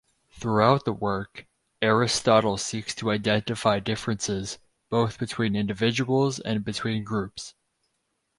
Throughout the work, Aristotle seeks to identify differences, both between individuals and between groups.